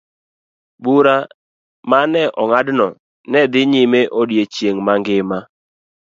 Bura ma ne ong'adno ne dhi nyime odiechieng' mangima.